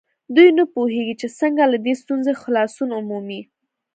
دوی نه پوهېږي چې څنګه له دې ستونزې خلاصون ومومي.